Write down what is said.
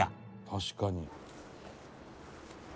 「確かに」